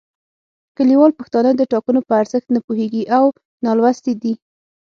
کلیوال پښتانه د ټاکنو په ارزښت نه پوهیږي او نالوستي دي